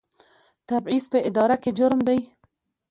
تبعیض په اداره کې جرم دی